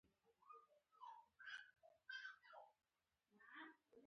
د چاپېریال ساتنې پوهنځی د ځمکې د سمبالښت او پرمختللې ساتنې لپاره هڅې کوي.